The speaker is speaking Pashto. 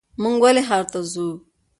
مونږ ولې ښار ته ځو؟